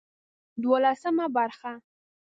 دولسمه برخه